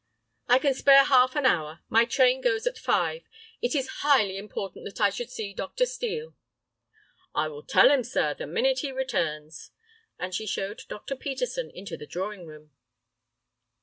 "I can spare half an hour. My train goes at five. It is highly important that I should see Dr. Steel." "I will tell him, sir, the minute he returns," and she showed Dr. Peterson into the drawing room.